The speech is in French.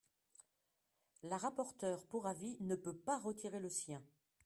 La rapporteure pour avis ne peut pas retirer le sien